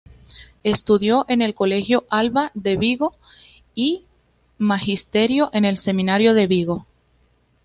Estudió en el Colegio Alba de Vigo y Magisterio en el Seminario de Vigo.